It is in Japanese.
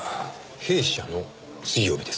弊社の水曜日ですか？